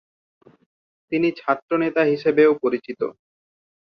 তিনি ছাত্রনেতা হিসাবেও পরিচিত।